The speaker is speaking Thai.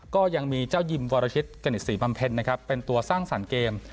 ก็ยังมีเจ้ายิมวรชิตกณิตศรีบำเพ็ญนะครับเป็นตัวสร้างสรรค์เกม